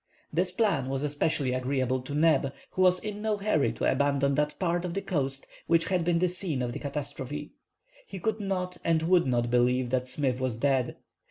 This plan was especially agreeable to Neb, who was in no hurry to abandon that part of the coast which had been the scene of the catastrophe. He could not and would not believe that Smith was dead.